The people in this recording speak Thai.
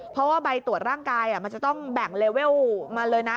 เพราะว่าใบตรวจร่างกายมันจะต้องแบ่งเลเวลมาเลยนะ